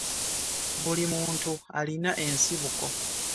Buli muntu alina ensibuko.